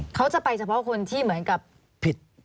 มีใครต้องจ่ายค่าคุมครองกันทุกเดือนไหม